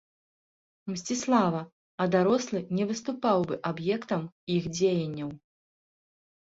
Мсціслава, а дарослы не выступаў бы аб'ектам іх дзеянняў.